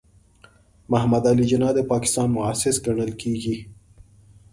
محمد علي جناح د پاکستان مؤسس ګڼل کېږي.